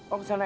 oh kesana ya